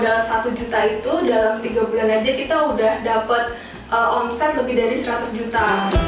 alhamdulillah dari modal satu juta itu dalam tiga bulan saja kita sudah dapat omset lebih dari seratus juta